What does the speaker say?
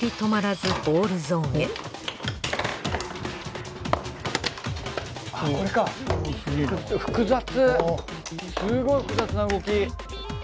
すごい複雑な動き。